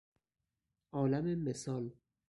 عالم مثال